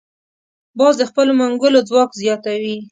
باز د خپلو منګولو ځواک زیاتوي